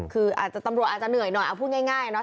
คืออาจจะตำรวจอาจจะเหนื่อยหน่อยเอาพูดง่ายเนาะ